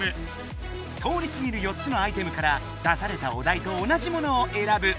通りすぎる４つのアイテムから出されたおだいと同じものをえらぶ。